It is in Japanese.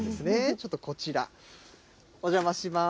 ちょっとこちら、お邪魔します。